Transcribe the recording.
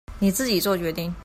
你自己作決定